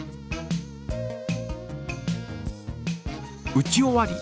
打ち終わり。